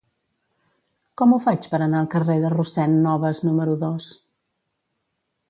Com ho faig per anar al carrer de Rossend Nobas número dos?